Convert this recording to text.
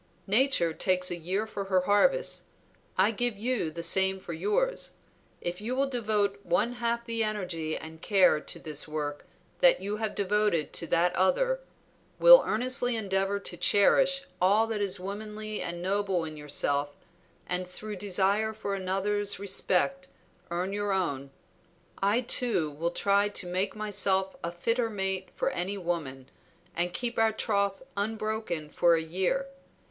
Nature takes a year for her harvests; I give you the same for yours. If you will devote one half the energy and care to this work that you devoted to that other, will earnestly endeavor to cherish all that is womanly and noble in yourself, and through desire for another's respect earn your own, I, too, will try to make myself a fitter mate for any woman, and keep our troth unbroken for a year.